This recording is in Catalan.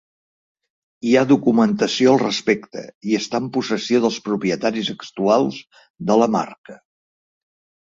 Hi ha documentació al respecte i està en possessió dels propietaris actuals de la marca.